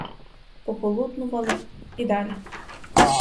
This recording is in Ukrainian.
Пополуднували — і далі.